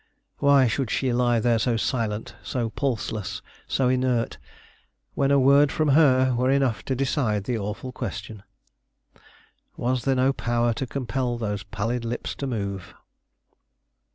Why should she lie there so silent, so pulseless, so inert, when a word from her were enough to decide the awful question? Was there no power to compel those pallid lips to move?